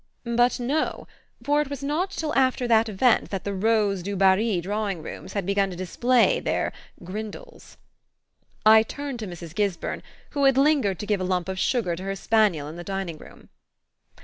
But no for it was not till after that event that the rose Dubarry drawing rooms had begun to display their "Grindles." I turned to Mrs. Gisburn, who had lingered to give a lump of sugar to her spaniel in the dining room.